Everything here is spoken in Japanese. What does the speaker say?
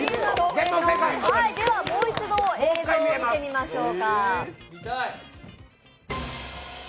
もう一度映像を見てみましょう。